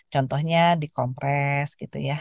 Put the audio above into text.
contohnya dikompres gitu ya